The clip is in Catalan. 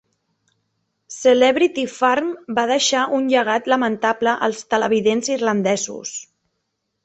"Celebrity Farm" va deixar un llegat lamentable als televidents irlandesos.